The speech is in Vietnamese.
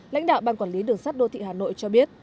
lãnh đạo ban quản lý đường sắt đô thị hà nội cho biết